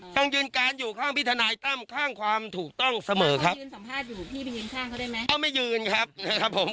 ต้องยืนการอยู่ข้างพิธานายตั้งข้างความถูกต้องเสมอครับสัมภาษณ์อยู่พี่ไปยืนข้างเขาได้ไหม